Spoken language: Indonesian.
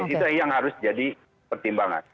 itu yang harus jadi pertimbangan